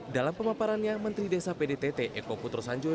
dalam pemaparannya menteri desa pdtt eko putro sanjoyo